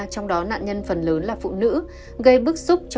trong đó nạn nhân phần lớn là phụ nữ